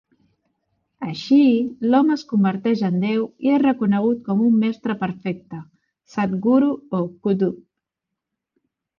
Així, l'home es converteix en Déu i és reconegut com un Mestre Perfecte, Satguru, o Kutub.